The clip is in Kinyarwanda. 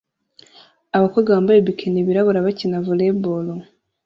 Abakobwa bambaye bikini birabura bakina volley ball